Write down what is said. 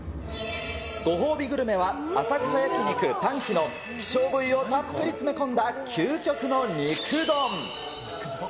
ご褒美グルメは、浅草焼肉たん鬼の希少部位をたっぷり詰め込んだ究極の肉丼。